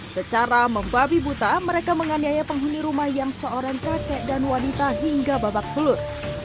secara membabi buta mereka menganiaya penghuni rumah yang seorang kakek dan wanita hingga babak belut